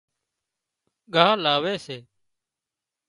ڳاهَ لاوي سي